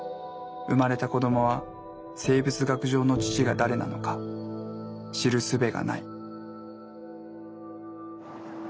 生まれた子どもは生物学上の父が誰なのか知るすべがない。